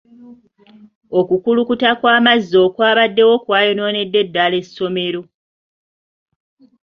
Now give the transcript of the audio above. Okukulukuta kw'amazzi okwabaddewo kwayonoonedde ddaala essomero.